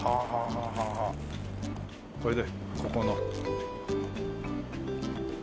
これでここの。